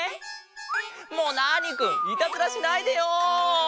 もうナーニくんいたずらしないでよ！